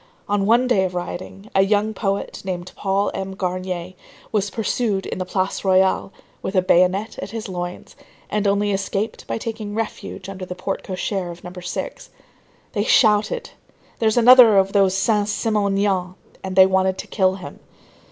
On one day of rioting, a young poet, named Paul Aimé Garnier, was pursued in the Place Royale, with a bayonet at his loins, and only escaped by taking refuge under the porte cochère of No. 6. They shouted:—"There's another of those Saint Simonians!" and they wanted to kill him.